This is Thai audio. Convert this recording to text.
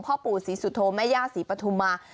พ่อปู่ศรีสุโธแม่ย่าศรีปฐุมา